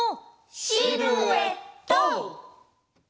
シルエット！